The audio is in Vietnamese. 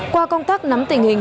qua công tác nắm tình hình